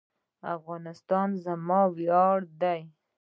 افغانستان زما ویاړ دی